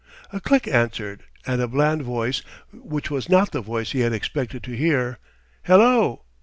A click answered, and a bland voice which was not the voice he had expected to hear: "Hello?